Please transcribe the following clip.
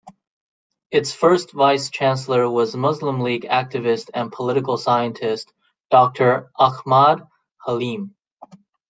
Its first Vice-chancellor was Muslim League activist and political scientist, Doctor Ahmad Haleem.